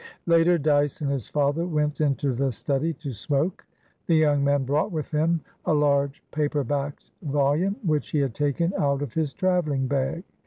Later, Dyce and his father went into the study to smoke. The young man brought with him a large paperbacked volume which he had taken out of his travelling bag.